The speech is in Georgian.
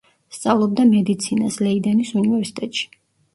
სწავლობდა მედიცინას ლეიდენის უნივერსიტეტში.